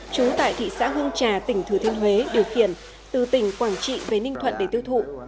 trú tại thị xã hương trà tỉnh thừa thiên huế điều khiển từ tỉnh quảng trị về ninh thuận để tiêu thụ